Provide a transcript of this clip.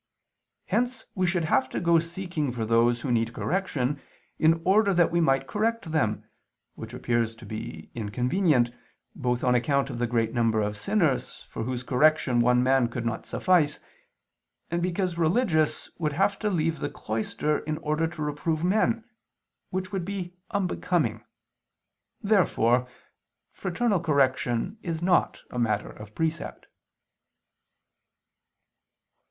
Hence we should have to go seeking for those who need correction, in order that we might correct them; which appears to be inconvenient, both on account of the great number of sinners, for whose correction one man could not suffice, and because religious would have to leave the cloister in order to reprove men, which would be unbecoming. Therefore fraternal correction is not a matter of precept.